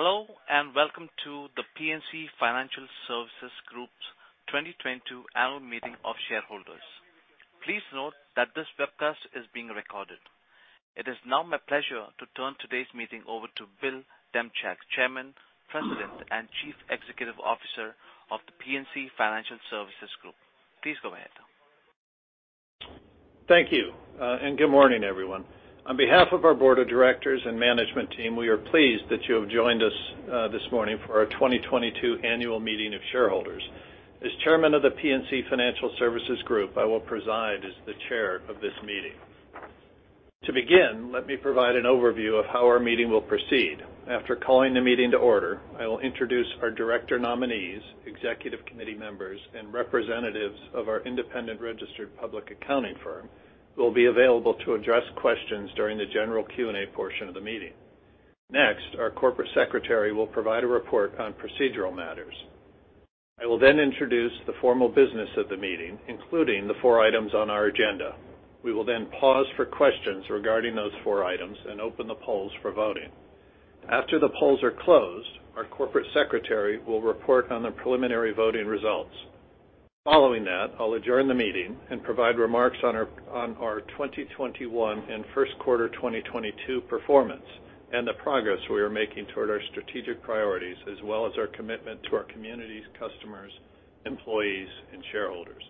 Hello, and welcome to the PNC Financial Services Group's 2022 Annual Meeting of Shareholders. Please note that this webcast is being recorded. It is now my pleasure to turn today's meeting over to Bill Demchak, Chairman, President, and Chief Executive Officer of the PNC Financial Services Group. Please go ahead. Thank you, and good morning, everyone. On behalf of our board of directors and management team, we are pleased that you have joined us, this morning for our 2022 Annual Meeting of Shareholders. As Chairman of the PNC Financial Services Group, I will preside as the chair of this meeting. To begin, let me provide an overview of how our meeting will proceed. After calling the meeting to order, I will introduce our director nominees, executive committee members, and representatives of our independent registered public accounting firm who will be available to address questions during the general Q&A portion of the meeting. Next, our corporate secretary will provide a report on procedural matters. I will then introduce the formal business of the meeting, including the four items on our agenda. We will then pause for questions regarding those four items and open the polls for voting. After the polls are closed, our corporate secretary will report on the preliminary voting results. Following that, I'll adjourn the meeting and provide remarks on our 2021 and first quarter 2022 performance and the progress we are making toward our strategic priorities, as well as our commitment to our communities, customers, employees, and shareholders.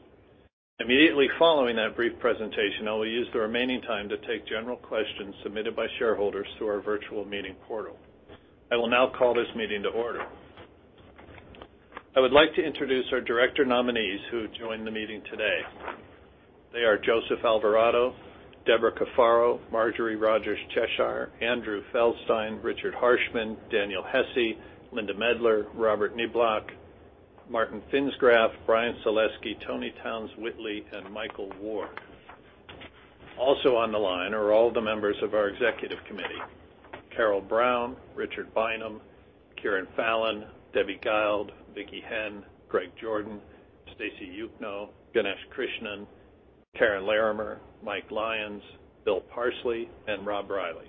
Immediately following that brief presentation, I will use the remaining time to take general questions submitted by shareholders through our virtual meeting portal. I will now call this meeting to order. I would like to introduce our director nominees who joined the meeting today. They are Joseph Alvarado, Debra Cafaro, Marjorie Rodgers Cheshire, Andrew Feldstein, Richard Harshman, Daniel Hesse, Linda Medler, Robert Niblock, Martin Pfinsgraff, Bryan Salesky, Toni Townes-Whitley, and Michael Ward. Also on the line are all the members of our executive committee, Carole Brown, Richard Bynum, Kieran Fallon, Debbie Guild, Vicki Henn, Greg Jordan, Stacy Juchno, Ganesh Krishnan, Karen Larrimer, Mike Lyons, Bill Parsley, and Rob Reilly,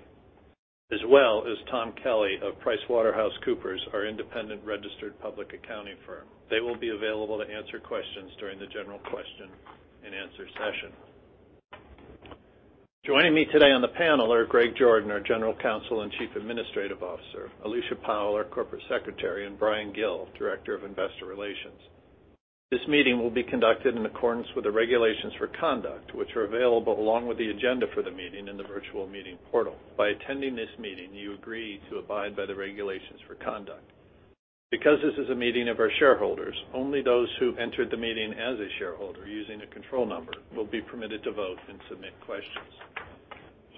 as well as Tom Kelly of PricewaterhouseCoopers, our independent registered public accounting firm. They will be available to answer questions during the general question and answer session. Joining me today on the panel are Greg Jordan, our General Counsel and Chief Administrative Officer, Alicia Powell, our Corporate Secretary, and Bryan Gill, Director of Investor Relations. This meeting will be conducted in accordance with the regulations for conduct, which are available along with the agenda for the meeting in the virtual meeting portal. By attending this meeting, you agree to abide by the regulations for conduct. Because this is a meeting of our shareholders, only those who entered the meeting as a shareholder using a control number will be permitted to vote and submit questions.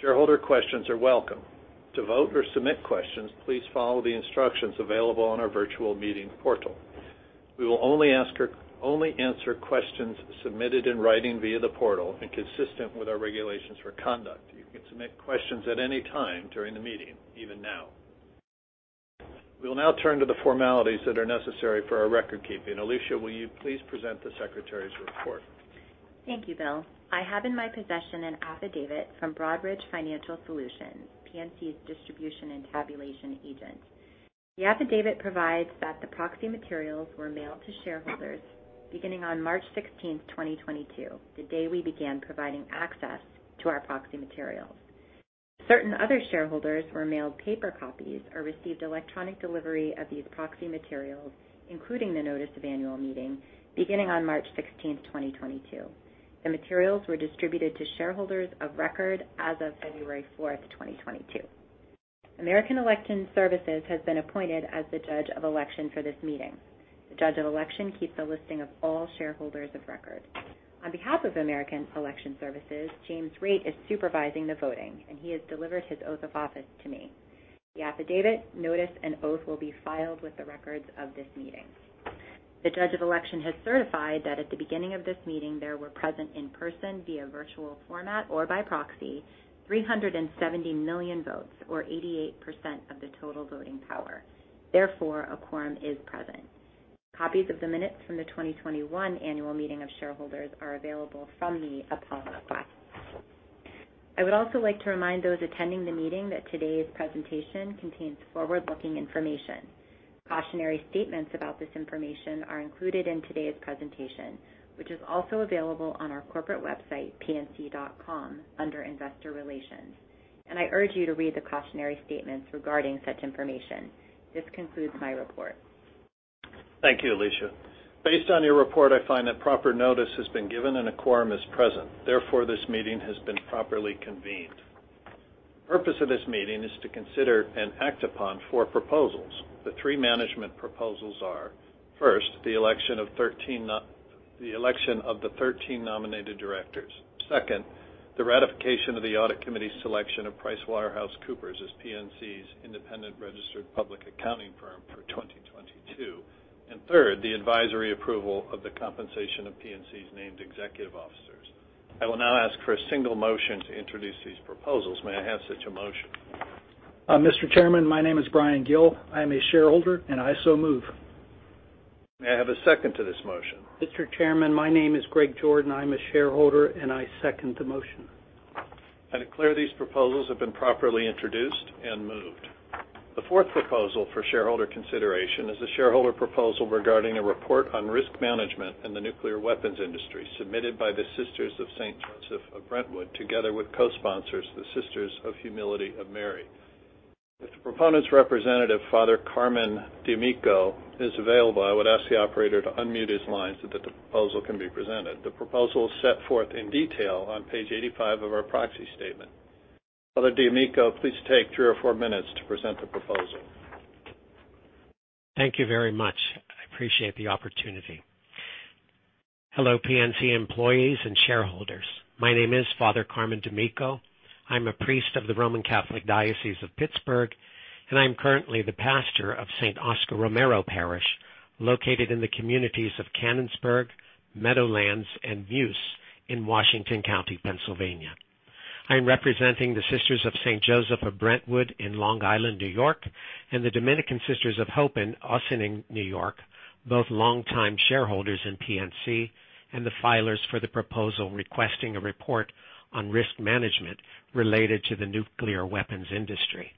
Shareholder questions are welcome. To vote or submit questions, please follow the instructions available on our virtual meeting portal. We will only answer questions submitted in writing via the portal and consistent with our regulations for conduct. You can submit questions at any time during the meeting, even now. We will now turn to the formalities that are necessary for our record keeping. Alicia, will you please present the secretary's report? Thank you, Bill. I have in my possession an affidavit from Broadridge Financial Solutions, PNC's distribution and tabulation agent. The affidavit provides that the proxy materials were mailed to shareholders beginning on March 16, 2022, the day we began providing access to our proxy materials. Certain other shareholders were mailed paper copies or received electronic delivery of these proxy materials, including the notice of annual meeting, beginning on March 16, 2022. The materials were distributed to shareholders of record as of February 4, 2022. American Election Services has been appointed as the judge of election for this meeting. The judge of election keeps a listing of all shareholders of record. On behalf of American Election Services, James Raitt is supervising the voting, and he has delivered his oath of office to me. The affidavit, notice, and oath will be filed with the records of this meeting. The judge of election has certified that at the beginning of this meeting, there were present in person via virtual format or by proxy 370 million votes or 88% of the total voting power. Therefore, a quorum is present. Copies of the minutes from the 2021 annual meeting of shareholders are available from the applicable file. I would also like to remind those attending the meeting that today's presentation contains forward-looking information. Cautionary statements about this information are included in today's presentation, which is also available on our corporate website, pnc.com, under Investor Relations. I urge you to read the cautionary statements regarding such information. This concludes my report. Thank you, Alicia. Based on your report, I find that proper notice has been given and a quorum is present. Therefore, this meeting has been properly convened. The purpose of this meeting is to consider and act upon four proposals. The three management proposals are, first, the election of the 13 nominated directors. Second, the ratification of the audit committee's selection of PricewaterhouseCoopers as PNC's independent registered public accounting firm for 2022. Third, the advisory approval of the compensation of PNC's named executive officers. I will now ask for a single motion to introduce these proposals. May I have such a motion? Mr. Chairman, my name is Bryan Gill. I am a shareholder, and I so move. May I have a second to this motion? Mr. Chairman, my name is Gregory Jordan. I'm a shareholder, and I second the motion. To clear these proposals have been properly introduced and moved. The fourth proposal for shareholder consideration is a shareholder proposal regarding a report on risk management in the nuclear weapons industry, submitted by the Sisters of St. Joseph of Brentwood, together with co-sponsors, the Sisters of the Humility of Mary. If the proponent's representative, Father Carmen D'Amico, is available, I would ask the operator to unmute his line so that the proposal can be presented. The proposal is set forth in detail on page 85 of our proxy statement. Father D'Amico, please take three or four minutes to present the proposal. Thank you very much. I appreciate the opportunity. Hello, PNC employees and shareholders. My name is Father Carmen D'Amico. I'm a priest of the Roman Catholic Diocese of Pittsburgh, and I'm currently the pastor of Saint Oscar Romero Parish, located in the communities of Canonsburg, Meadowlands, and Muse in Washington County, Pennsylvania. I am representing the Sisters of St. Joseph of Brentwood in Long Island, New York, and the Dominican Sisters of Hope in Ossining, New York, both longtime shareholders in PNC and the filers for the proposal requesting a report on risk management related to the nuclear weapons industry.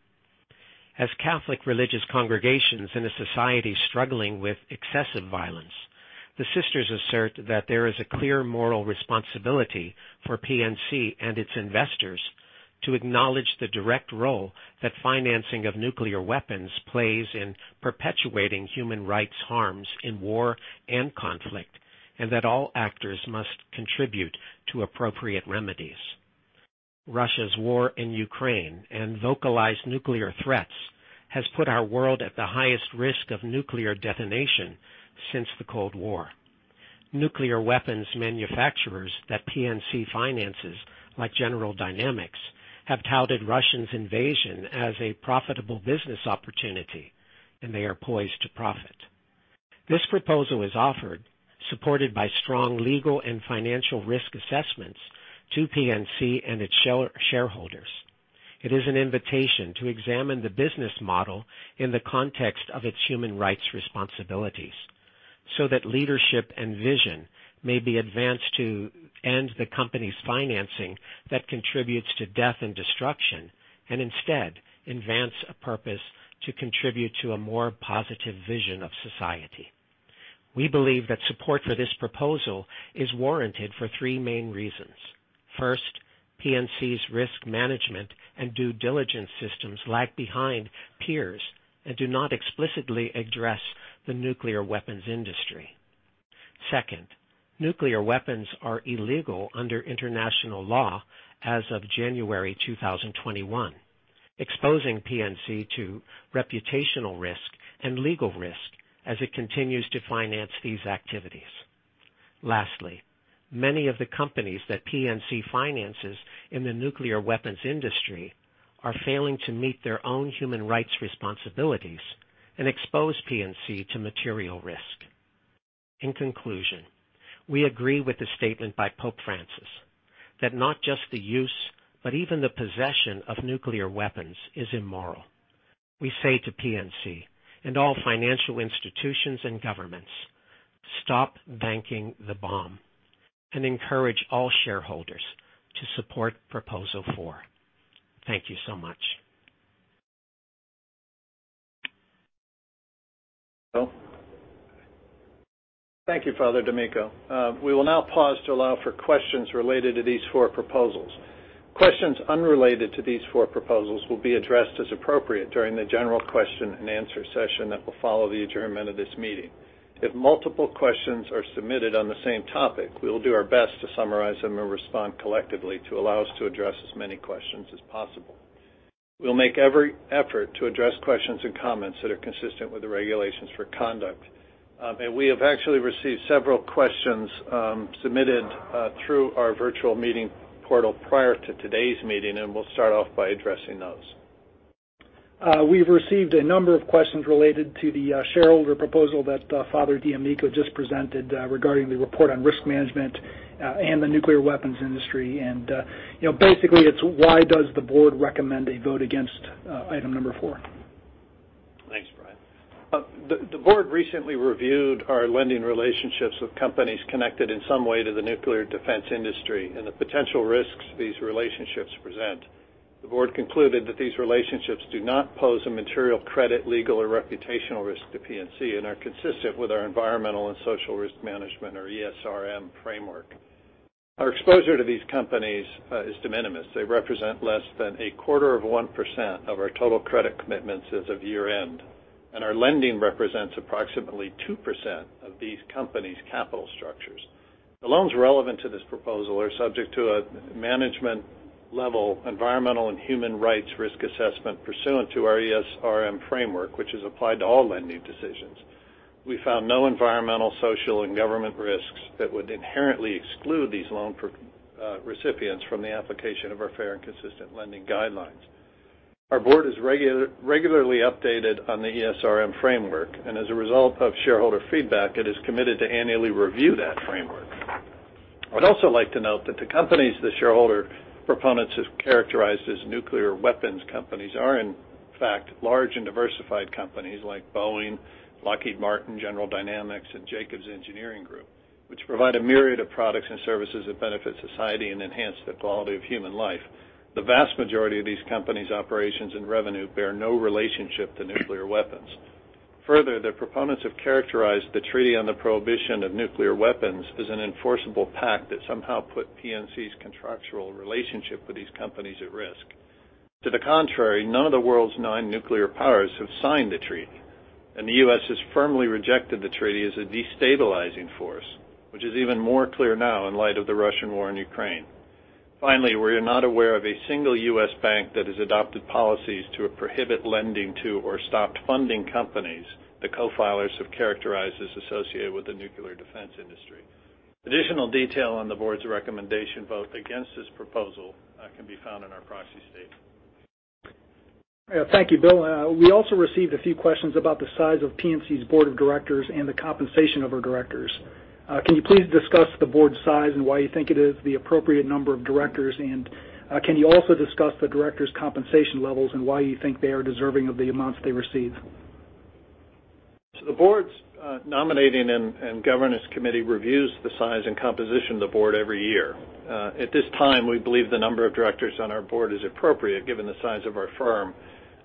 As Catholic religious congregations in a society struggling with excessive violence, the sisters assert that there is a clear moral responsibility for PNC and its investors to acknowledge the direct role that financing of nuclear weapons plays in perpetuating human rights harms in war and conflict, and that all actors must contribute to appropriate remedies. Russia's war in Ukraine and vocalized nuclear threats has put our world at the highest risk of nuclear detonation since the Cold War. Nuclear weapons manufacturers that PNC finances, like General Dynamics, have touted Russia's invasion as a profitable business opportunity, and they are poised to profit. This proposal is offered, supported by strong legal and financial risk assessments to PNC and its shareholders. It is an invitation to examine the business model in the context of its human rights responsibilities so that leadership and vision may be advanced to end the company's financing that contributes to death and destruction, and instead advance a purpose to contribute to a more positive vision of society. We believe that support for this proposal is warranted for three main reasons. First, PNC's risk management and due diligence systems lag behind peers and do not explicitly address the nuclear weapons industry. Second, nuclear weapons are illegal under international law as of January 2021, exposing PNC to reputational risk and legal risk as it continues to finance these activities. Lastly, many of the companies that PNC finances in the nuclear weapons industry are failing to meet their own human rights responsibilities and expose PNC to material risk. In conclusion, we agree with the statement by Pope Francis that not just the use, but even the possession of nuclear weapons is immoral. We say to PNC and all financial institutions and governments, stop banking the bomb, and encourage all shareholders to support Proposal Four. Thank you so much. Thank you, Father D'Amico. We will now pause to allow for questions related to these four proposals. Questions unrelated to these four proposals will be addressed as appropriate during the general question and answer session that will follow the adjournment of this meeting. If multiple questions are submitted on the same topic, we will do our best to summarize them and respond collectively to allow us to address as many questions as possible. We'll make every effort to address questions and comments that are consistent with the regulations for conduct. We have actually received several questions submitted through our virtual meeting portal prior to today's meeting, and we'll start off by addressing those. We've received a number of questions related to the shareholder proposal that Father D'Amico just presented regarding the report on risk management and the nuclear weapons industry. You know, basically, it's why does the board recommend a vote against item number four? Thanks, Brian. The board recently reviewed our lending relationships with companies connected in some way to the nuclear defense industry and the potential risks these relationships present. The board concluded that these relationships do not pose a material credit, legal, or reputational risk to PNC and are consistent with our environmental and social risk management or ESRM framework. Our exposure to these companies is de minimis. They represent less than a quarter of 1% of our total credit commitments as of year-end, and our lending represents approximately 2% of these companies' capital structures. The loans relevant to this proposal are subject to a management level environmental and human rights risk assessment pursuant to our ESRM framework, which is applied to all lending decisions. We found no environmental, social, and governance risks that would inherently exclude these loans for recipients from the application of our fair and consistent lending guidelines. Our board is regularly updated on the ESRM framework, and as a result of shareholder feedback, it is committed to annually review that framework. I'd also like to note that the companies the shareholder proponents have characterized as nuclear weapons companies are in fact large and diversified companies like Boeing, Lockheed Martin, General Dynamics, and Jacobs Engineering Group, which provide a myriad of products and services that benefit society and enhance the quality of human life. The vast majority of these companies' operations and revenue bear no relationship to nuclear weapons. Further, the proponents have characterized the Treaty on the Prohibition of Nuclear Weapons as an enforceable pact that somehow put PNC's contractual relationship with these companies at risk. To the contrary, none of the world's nine nuclear powers have signed the treaty, and the U.S. has firmly rejected the treaty as a destabilizing force, which is even more clear now in light of the Russian war in Ukraine. Finally, we are not aware of a single U.S. bank that has adopted policies to prohibit lending to or stopped funding companies the co-filers have characterized as associated with the nuclear defense industry. Additional detail on the board's recommendation vote against this proposal can be found in our proxy statement. Yeah. Thank you, Bill. We also received a few questions about the size of PNC's board of directors and the compensation of our directors. Can you please discuss the board size and why you think it is the appropriate number of directors? Can you also discuss the directors' compensation levels and why you think they are deserving of the amounts they receive? The board's nominating and governance committee reviews the size and composition of the board every year. At this time, we believe the number of directors on our board is appropriate given the size of our firm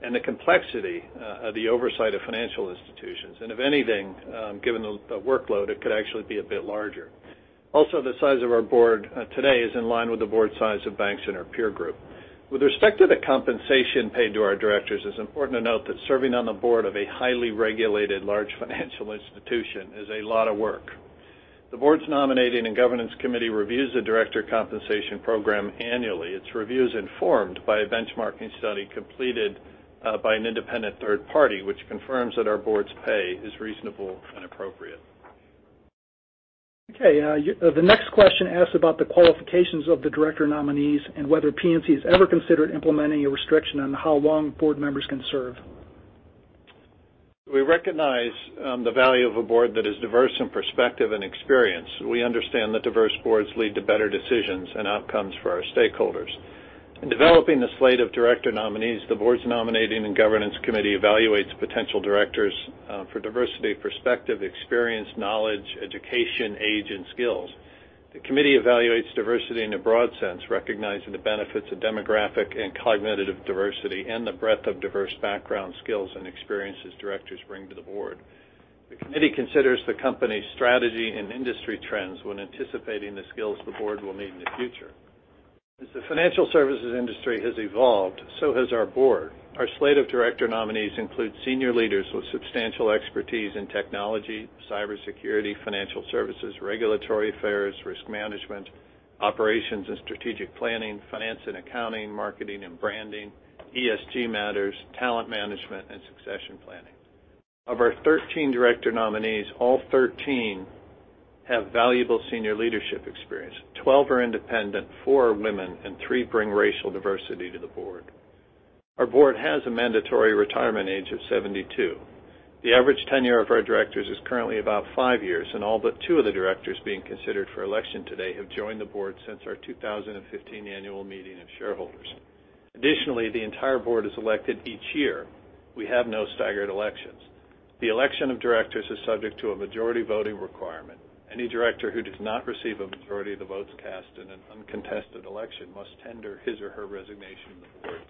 and the complexity of the oversight of financial institutions. If anything, given the workload, it could actually be a bit larger. Also, the size of our board today is in line with the board size of banks in our peer group. With respect to the compensation paid to our directors, it's important to note that serving on the board of a highly regulated large financial institution is a lot of work. The board's nominating and governance committee reviews the director compensation program annually. Its review is informed by a benchmarking study completed by an independent third party which confirms that our board's pay is reasonable and appropriate. Okay. The next question asks about the qualifications of the director nominees and whether PNC has ever considered implementing a restriction on how long board members can serve. We recognize the value of a board that is diverse in perspective and experience. We understand that diverse boards lead to better decisions and outcomes for our stakeholders. In developing the slate of director nominees, the board's nominating and governance committee evaluates potential directors for diversity perspective, experience, knowledge, education, age, and skills. The committee evaluates diversity in a broad sense, recognizing the benefits of demographic and cognitive diversity and the breadth of diverse background skills and experiences directors bring to the board. The committee considers the company's strategy and industry trends when anticipating the skills the board will need in the future. As the financial services industry has evolved, so has our board. Our slate of director nominees includes senior leaders with substantial expertise in technology, cybersecurity, financial services, regulatory affairs, risk management, operations and strategic planning, finance and accounting, marketing and branding, ESG matters, talent management, and succession planning. Of our 13 director nominees, all 13 have valuable senior leadership experience. 12 are independent, four are women, and three bring racial diversity to the board. Our board has a mandatory retirement age of 72. The average tenure of our directors is currently about five years, and all but two of the directors being considered for election today have joined the board since our 2015 annual meeting of shareholders. Additionally, the entire board is elected each year. We have no staggered elections. The election of directors is subject to a majority voting requirement. Any director who does not receive a majority of the votes cast in an uncontested election must tender his or her resignation to the board.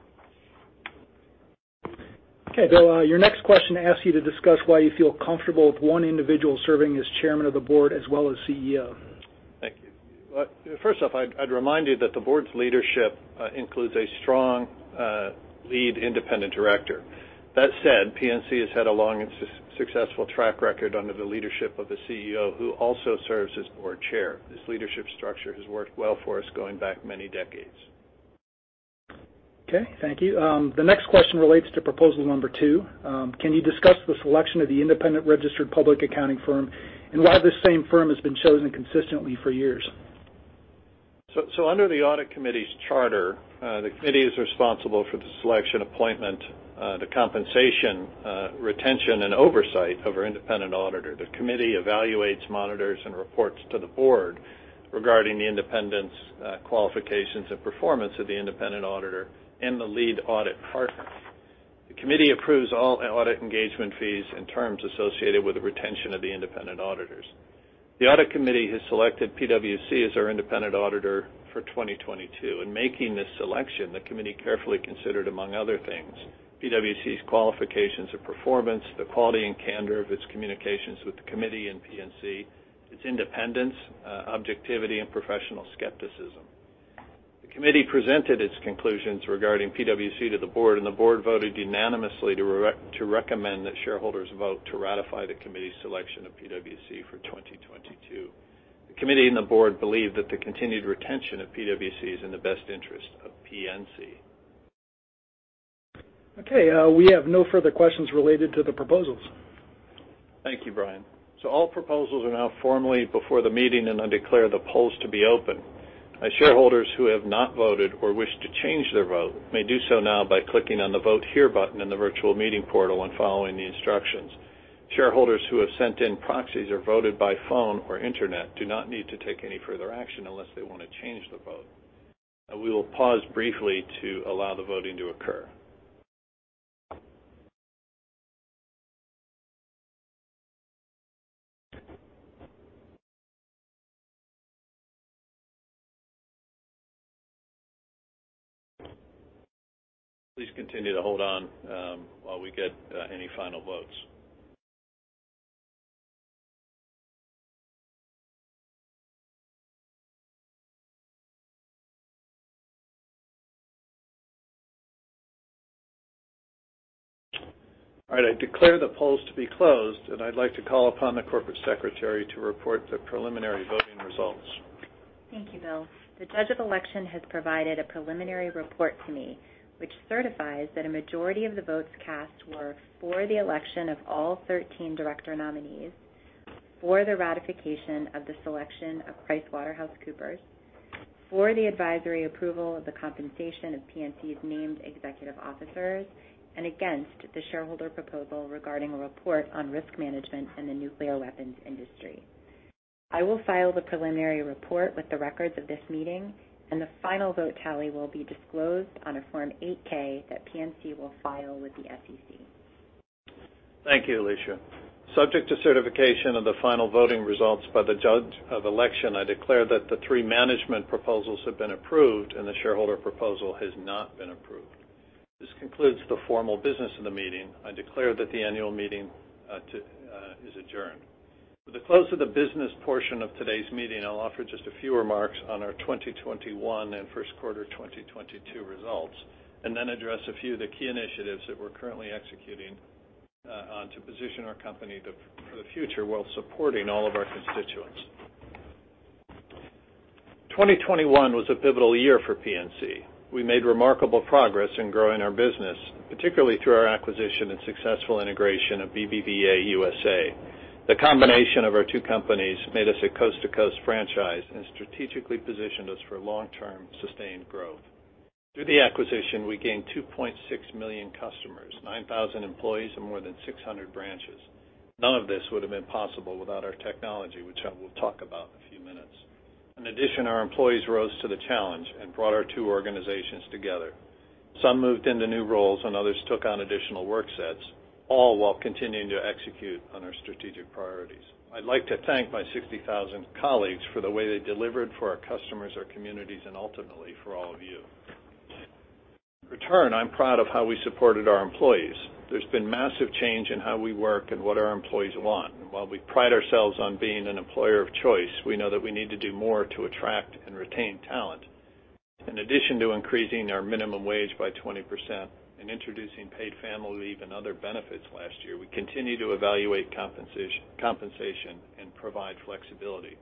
Okay. Bill, your next question asks you to discuss why you feel comfortable with one individual serving as chairman of the board as well as CEO. Thank you. First off, I'd remind you that the board's leadership includes a strong lead independent director. That said, PNC has had a long and successful track record under the leadership of the CEO, who also serves as board chair. This leadership structure has worked well for us going back many decades. Okay. Thank you. The next question relates to proposal number 2. Can you discuss the selection of the independent registered public accounting firm and why this same firm has been chosen consistently for years? Under the audit committee's charter, the committee is responsible for the selection, appointment, the compensation, retention, and oversight of our independent auditor. The committee evaluates, monitors, and reports to the board regarding the independence, qualifications, and performance of the independent auditor and the lead audit partner. The committee approves all audit engagement fees and terms associated with the retention of the independent auditors. The audit committee has selected PwC as our independent auditor for 2022. In making this selection, the committee carefully considered, among other things, PwC's qualifications and performance, the quality and candor of its communications with the committee and PNC, its independence, objectivity, and professional skepticism. The committee presented its conclusions regarding PwC to the board, and the board voted unanimously to recommend that shareholders vote to ratify the committee's selection of PwC for 2022. The committee and the board believe that the continued retention of PwC is in the best interest of PNC. Okay. We have no further questions related to the proposals. Thank you, Brian. All proposals are now formally before the meeting, and I declare the polls to be open. Shareholders who have not voted or wish to change their vote may do so now by clicking on the Vote Here button in the virtual meeting portal and following the instructions. Shareholders who have sent in proxies or voted by phone or internet do not need to take any further action unless they want to change the vote. We will pause briefly to allow the voting to occur. Please continue to hold on while we get any final votes. All right, I declare the polls to be closed, and I'd like to call upon the corporate secretary to report the preliminary voting results. Thank you, Bill. The judge of election has provided a preliminary report to me, which certifies that a majority of the votes cast were for the election of all 13 director nominees, for the ratification of the selection of PricewaterhouseCoopers, for the advisory approval of the compensation of PNC's named executive officers, and against the shareholder proposal regarding a report on risk management in the nuclear weapons industry. I will file the preliminary report with the records of this meeting, and the final vote tally will be disclosed on a Form 8-K that PNC will file with the SEC. Thank you, Alicia. Subject to certification of the final voting results by the judge of election, I declare that the three management proposals have been approved and the shareholder proposal has not been approved. This concludes the formal business of the meeting. I declare that the annual meeting is adjourned. For the close of the business portion of today's meeting, I'll offer just a few remarks on our 2021 and first quarter 2022 results, and then address a few of the key initiatives that we're currently executing on to position our company for the future while supporting all of our constituents. 2021 was a pivotal year for PNC. We made remarkable progress in growing our business, particularly through our acquisition and successful integration of BBVA USA. The combination of our two companies made us a coast-to-coast franchise and strategically positioned us for long-term sustained growth. Through the acquisition, we gained 2.6 million customers, 9,000 employees and more than 600 branches. None of this would have been possible without our technology, which I will talk about in a few minutes. In addition, our employees rose to the challenge and brought our two organizations together. Some moved into new roles and others took on additional work sets, all while continuing to execute on our strategic priorities. I'd like to thank my 60,000 colleagues for the way they delivered for our customers, our communities, and ultimately for all of you. In return, I'm proud of how we supported our employees. There's been massive change in how we work and what our employees want. While we pride ourselves on being an employer of choice, we know that we need to do more to attract and retain talent. In addition to increasing our minimum wage by 20% and introducing paid family leave and other benefits last year, we continue to evaluate compensation and provide flexibility.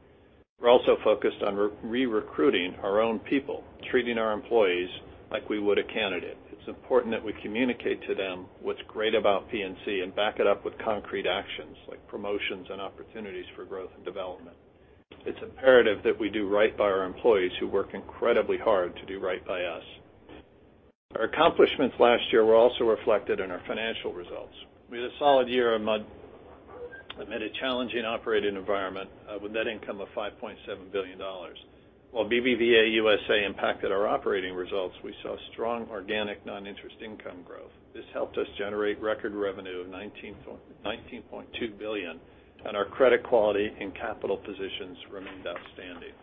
We're also focused on recruiting our own people, treating our employees like we would a candidate. It's important that we communicate to them what's great about PNC and back it up with concrete actions like promotions and opportunities for growth and development. It's imperative that we do right by our employees who work incredibly hard to do right by us. Our accomplishments last year were also reflected in our financial results. We had a solid year amid a challenging operating environment with net income of $5.7 billion. While BBVA USA impacted our operating results, we saw strong organic non-interest income growth. This helped us generate record revenue of $19.2 billion, and our credit quality and capital positions remained outstanding.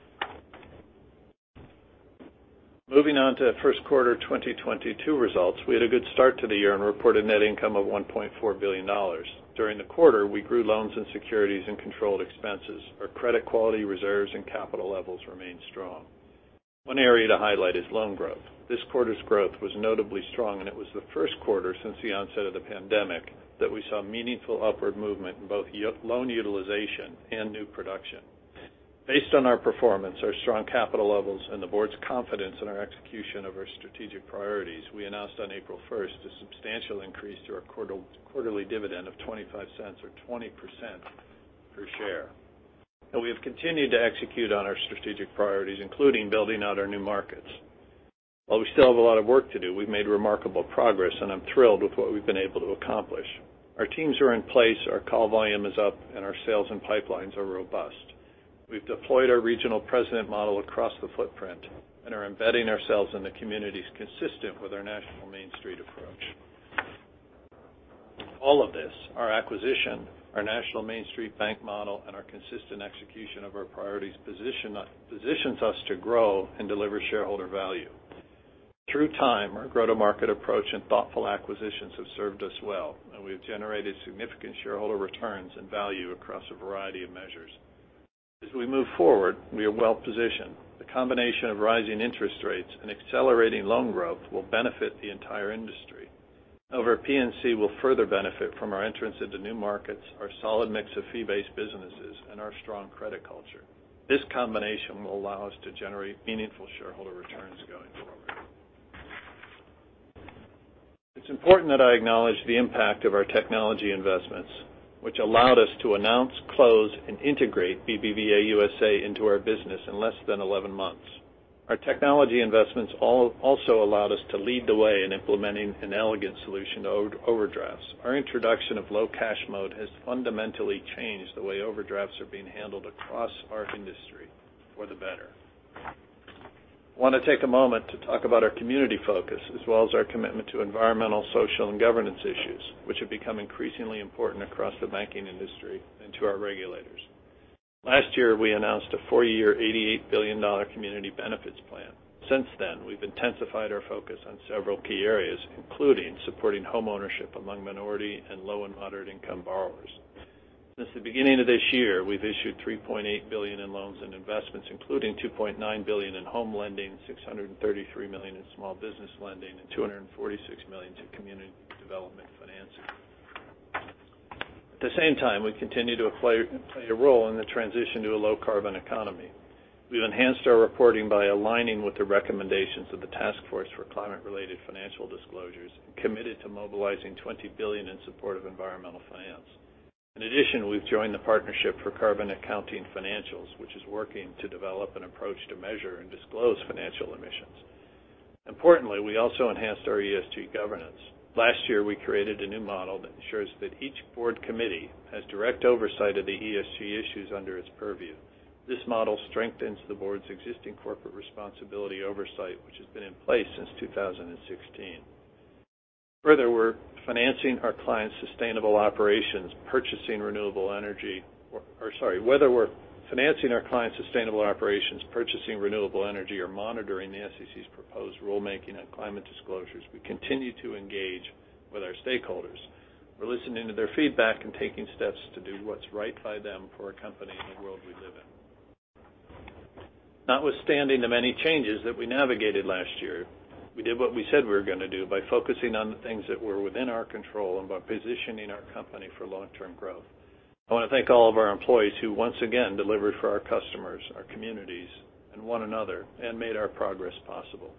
Moving on to first quarter 2022 results. We had a good start to the year and reported net income of $1.4 billion. During the quarter, we grew loans and securities and controlled expenses. Our credit quality reserves and capital levels remained strong. One area to highlight is loan growth. This quarter's growth was notably strong, and it was the first quarter since the onset of the pandemic that we saw meaningful upward movement in both utilization and new production. Based on our performance, our strong capital levels, and the board's confidence in our execution of our strategic priorities, we announced on April first a substantial increase to our quarterly dividend of $0.25 or 20% per share. We have continued to execute on our strategic priorities, including building out our new markets. While we still have a lot of work to do, we've made remarkable progress, and I'm thrilled with what we've been able to accomplish. Our teams are in place, our call volume is up, and our sales and pipelines are robust. We've deployed our regional president model across the footprint and are embedding ourselves in the communities consistent with our national Main Street approach. All of this, our acquisition, our national Main Street bank model, and our consistent execution of our priorities positions us to grow and deliver shareholder value. Through time, our go-to-market approach and thoughtful acquisitions have served us well, and we have generated significant shareholder returns and value across a variety of measures. As we move forward, we are well positioned. The combination of rising interest rates and accelerating loan growth will benefit the entire industry. However, PNC will further benefit from our entrance into new markets, our solid mix of fee-based businesses, and our strong credit culture. This combination will allow us to generate meaningful shareholder returns going forward. It's important that I acknowledge the impact of our technology investments, which allowed us to announce, close, and integrate BBVA USA into our business in less than 11 months. Our technology investments also allowed us to lead the way in implementing an elegant solution to overdrafts. Our introduction of Low Cash Mode has fundamentally changed the way overdrafts are being handled across our industry for the better. Want to take a moment to talk about our community focus as well as our commitment to environmental, social, and governance issues, which have become increasingly important across the banking industry and to our regulators. Last year, we announced a four-year $88 billion community benefits plan. Since then, we've intensified our focus on several key areas, including supporting homeownership among minority and low and moderate-income borrowers. Since the beginning of this year, we've issued $3.8 billion in loans and investments, including $2.9 billion in home lending, $633 million in small business lending, and $246 million to community development financing. At the same time, we continue to play a role in the transition to a low-carbon economy. We've enhanced our reporting by aligning with the recommendations of the Task Force on Climate-related Financial Disclosures and committed to mobilizing $20 billion in support of environmental finance. In addition, we've joined the Partnership for Carbon Accounting Financials, which is working to develop an approach to measure and disclose financial emissions. Importantly, we also enhanced our ESG governance. Last year, we created a new model that ensures that each board committee has direct oversight of the ESG issues under its purview. This model strengthens the board's existing corporate responsibility oversight, which has been in place since 2016. Further, whether we're financing our clients' sustainable operations, purchasing renewable energy or monitoring the SEC's proposed rulemaking on climate disclosures, we continue to engage with our stakeholders. We're listening to their feedback and taking steps to do what's right by them for our company and the world we live in. Notwithstanding the many changes that we navigated last year, we did what we said we were going to do by focusing on the things that were within our control and by positioning our company for long-term growth. I want to thank all of our employees who once again delivered for our customers, our communities, and one another and made our progress possible.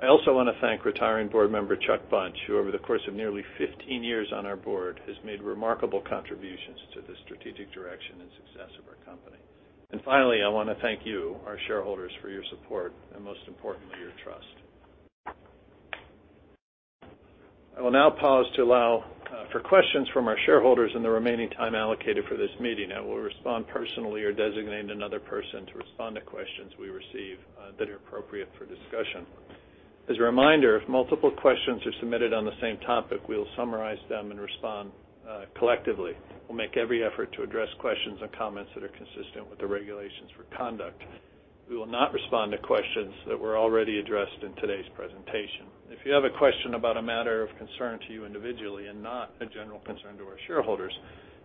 I also want to thank retiring board member Chuck Bunch, who over the course of nearly 15 years on our board, has made remarkable contributions to the strategic direction and success of our company. Finally, I want to thank you, our shareholders, for your support and most importantly, your trust. I will now pause to allow for questions from our shareholders in the remaining time allocated for this meeting. I will respond personally or designate another person to respond to questions we receive that are appropriate for discussion. As a reminder, if multiple questions are submitted on the same topic, we'll summarize them and respond collectively. We'll make every effort to address questions and comments that are consistent with the regulations for conduct. We will not respond to questions that were already addressed in today's presentation. If you have a question about a matter of concern to you individually and not a general concern to our shareholders,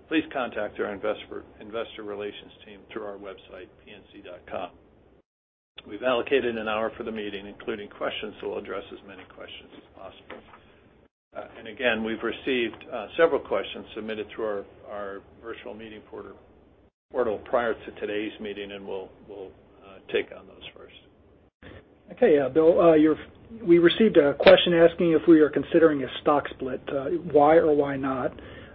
please contact our investor relations team through our website, pnc.com. We've allocated an hour for the meeting, including questions, so we'll address as many questions as possible. Again, we've received several questions submitted through our virtual meeting portal prior to today's meeting, and we'll take on those first. Okay, Bill, we received a question asking if we are considering a stock split, why or why not?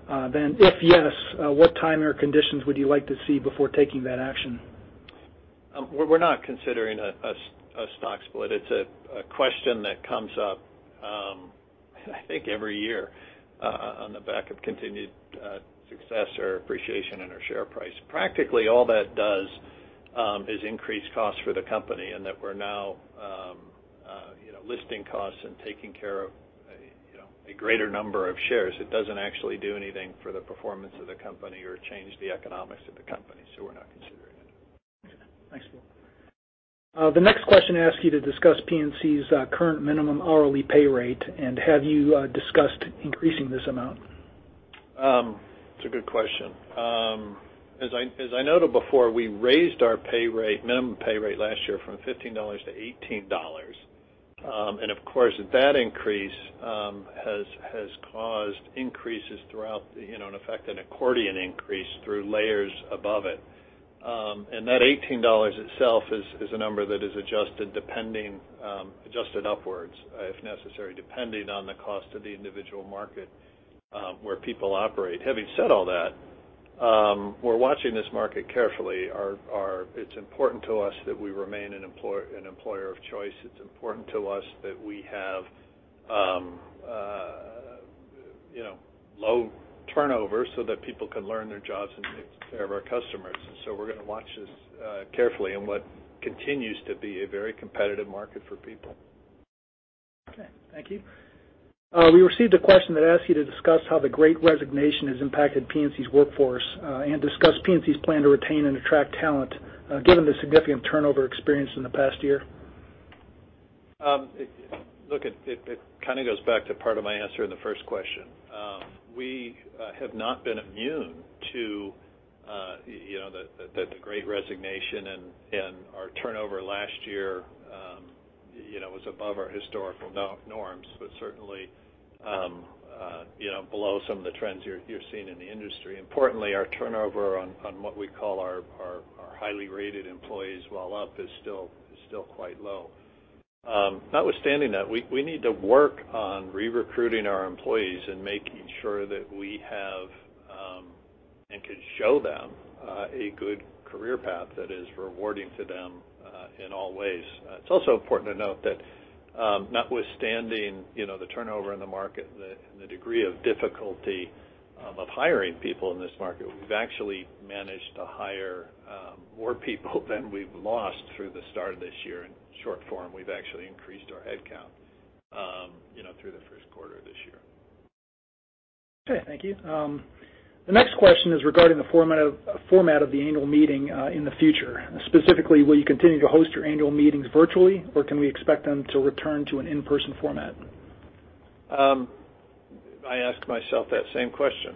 If yes, what time or conditions would you like to see before taking that action? We're not considering a stock split. It's a question that comes up, I think every year, on the back of continued success or appreciation in our share price. Practically all that does is increase costs for the company and that we're now, you know, listing costs and taking care of, you know, a greater number of shares. It doesn't actually do anything for the performance of the company or change the economics of the company, so we're not considering it. Thanks, Bill. The next question asks you to discuss PNC's current minimum hourly pay rate, and have you discussed increasing this amount? It's a good question. As I noted before, we raised our pay rate, minimum pay rate last year from $15 to $18. Of course, that increase has caused increases throughout, you know, in effect, an accordion increase through layers above it. That $18 itself is a number that is adjusted upwards, if necessary, depending on the cost of the individual market, where people operate. Having said all that, we're watching this market carefully. It's important to us that we remain an employer of choice. It's important to us that we have, you know, low turnover so that people can learn their jobs and take care of our customers. We're going to watch this carefully in what continues to be a very competitive market for people. Okay. Thank you. We received a question that asks you to discuss how the Great Resignation has impacted PNC's workforce, and discuss PNC's plan to retain and attract talent, given the significant turnover experience in the past year. It kind of goes back to part of my answer in the first question. We have not been immune to, you know, the Great Resignation and our turnover last year, you know, was above our historical norms, but certainly, you know, below some of the trends you're seeing in the industry. Importantly, our turnover on what we call our highly rated employees, while up, is still quite low. Notwithstanding that, we need to work on re-recruiting our employees and making sure that we have and can show them a good career path that is rewarding to them in all ways. It's also important to note that, notwithstanding, you know, the turnover in the market and the degree of difficulty of hiring people in this market, we've actually managed to hire more people than we've lost through the start of this year. In short form, we've actually increased our headcount, you know, through the first quarter of this year. Okay, thank you. The next question is regarding the format of the annual meeting in the future. Specifically, will you continue to host your annual meetings virtually, or can we expect them to return to an in-person format? I ask myself that same question.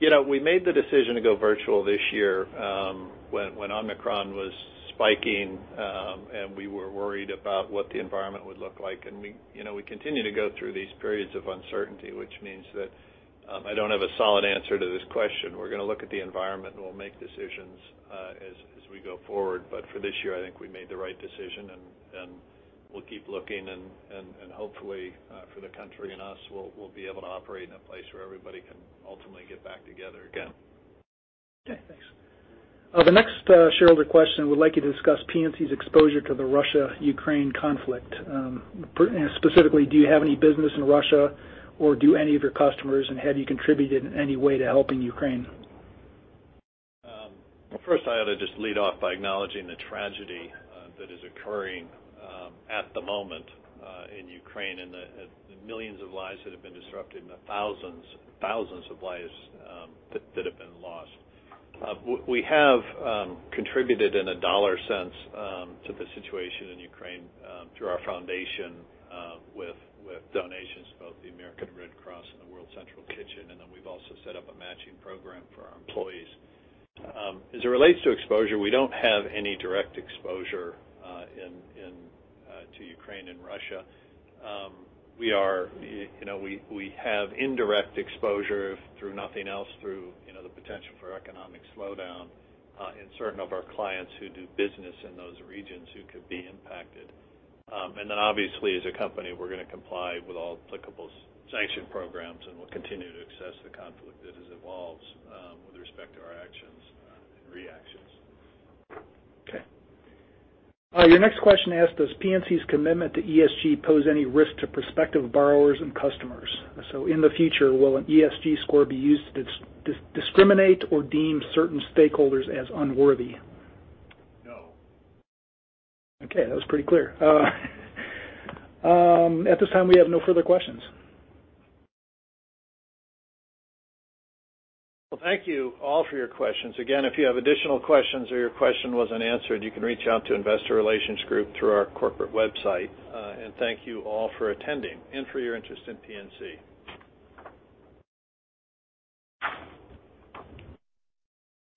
You know, we made the decision to go virtual this year, when Omicron was spiking, and we were worried about what the environment would look like. We, you know, we continue to go through these periods of uncertainty, which means that, I don't have a solid answer to this question. We're gonna look at the environment, and we'll make decisions, as we go forward. For this year, I think we made the right decision, and we'll keep looking and hopefully, for the country and us, we'll be able to operate in a place where everybody can ultimately get back together again. Okay, thanks. The next shareholder question would like you to discuss PNC's exposure to the Russia-Ukraine conflict. Specifically, do you have any business in Russia or do any of your customers? Have you contributed in any way to helping Ukraine? First, I ought to just lead off by acknowledging the tragedy that is occurring at the moment in Ukraine and the millions of lives that have been disrupted and the thousands of lives that have been lost. We have contributed in a dollar sense to the situation in Ukraine through our foundation with donations to both the American Red Cross and the World Central Kitchen. Then we've also set up a matching program for our employees. As it relates to exposure, we don't have any direct exposure in to Ukraine and Russia. You know, we have indirect exposure, if through nothing else, through the potential for economic slowdown in certain of our clients who do business in those regions who could be impacted. Obviously, as a company, we're gonna comply with all applicable sanctions programs, and we'll continue to assess the conflict that has evolved with respect to our actions and reactions. Okay. Your next question asks, does PNC's commitment to ESG pose any risk to prospective borrowers and customers? In the future, will an ESG score be used to discriminate or deem certain stakeholders as unworthy? No. Okay, that was pretty clear. At this time, we have no further questions. Well, thank you all for your questions. Again, if you have additional questions or your question wasn't answered, you can reach out to Investor Relations group through our corporate website. Thank you all for attending and for your interest in PNC.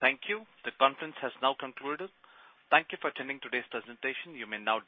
Thank you. The conference has now concluded. Thank you for attending today's presentation. You may now.